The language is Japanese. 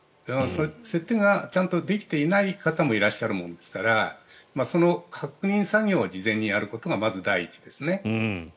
設定がちゃんとできていない方もいらっしゃるもんですからその確認作業を事前にやることがまず第一ですね。